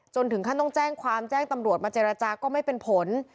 ถึงขั้นต้องแจ้งความแจ้งตำรวจมาเจรจาก็ไม่เป็นผล